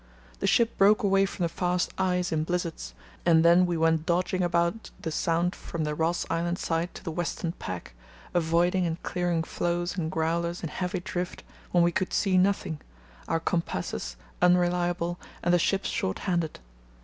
The ship broke away from the fast ice in blizzards, and then we went dodging about the Sound from the Ross Island side to the western pack, avoiding and clearing floes and growlers in heavy drift when we could see nothing, our compasses unreliable and the ship short handed.